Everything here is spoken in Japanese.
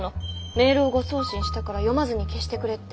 メールを誤送信したから読まずに消してくれって。